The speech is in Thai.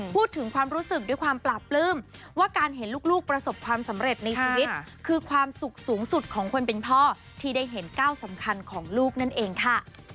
พูดถึงความรู้สึกด้วยความปราบปลื้มว่าการเห็นลูกประสบความสำเร็จในชีวิตคือความสุขสูงสุดของคนเป็นพ่อที่ได้เห็นก้าวสำคัญของลูกนั่นเองค่ะ